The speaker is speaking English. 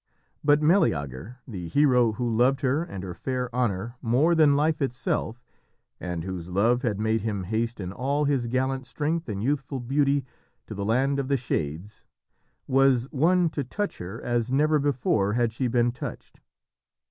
But Meleager, the hero who loved her and her fair honour more than life itself, and whose love had made him haste in all his gallant strength and youthful beauty to the land of the Shades, was one to touch her as never before had she been touched.